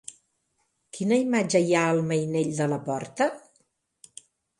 Quina imatge hi ha al mainell de la porta?